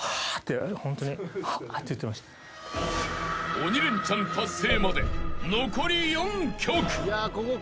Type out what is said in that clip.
［鬼レンチャン達成まで残り４曲］